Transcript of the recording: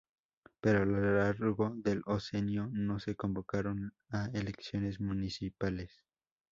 Pero a lo largo del Oncenio no se convocaron a elecciones municipales.